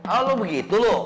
oh lu begitu lu